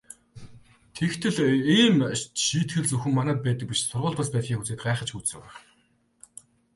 Тэгтэл ийм шийтгэл зөвхөн манайханд байдаг биш сургуульд бас байдгийг үзээд гайхаж гүйцэв.